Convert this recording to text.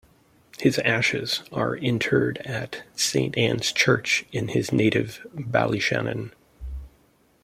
His ashes are interred at Saint Anne's church in his native Ballyshannon.